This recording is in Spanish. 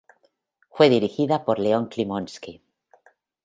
Fue dirigida por León Klimovsky.